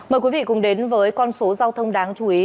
mời quý vị cùng đến với con số giao thông đáng chú ý